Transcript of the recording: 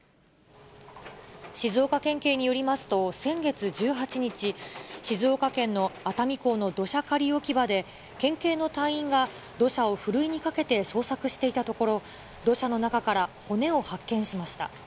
静岡県警によりますと、先月１８日、静岡県の熱海港の土砂仮置き場で、県警の隊員が、土砂をふるいにかけて捜索していたところ、土砂の中から骨を発見しました。